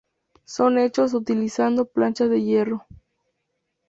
Son hechos utilizando planchas de hierro.